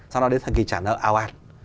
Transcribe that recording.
sau đó đến thời kỳ trả nợ ào ạt